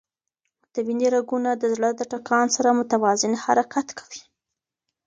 د وینې رګونه د زړه د ټکان سره متوازن حرکت کوي.